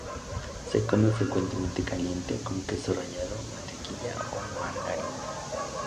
Se come frecuentemente caliente, con queso rallado, mantequilla o margarina.